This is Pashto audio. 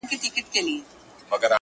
څوک چي زرګر نه وي د زرو قدر څه پیژني؛؛!